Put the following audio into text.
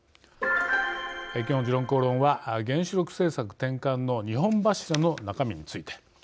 今日の「時論公論」は原子力政策転換の２本柱の中身について。